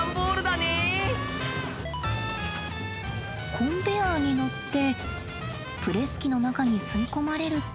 コンベヤーにのってプレス機の中に吸い込まれると。